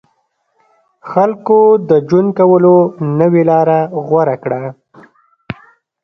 خلکو د ژوند کولو نوې لاره غوره کړه.